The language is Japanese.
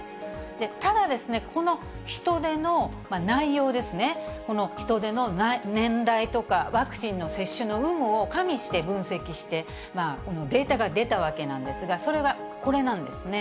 ただ、この人出の内容ですね、この人出の年代とか、ワクチンの接種の有無を加味して分析して、このデータが出たわけなんですが、それがこれなんですね。